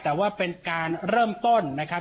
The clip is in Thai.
แต่ว่าเป็นการเริ่มต้นนะครับ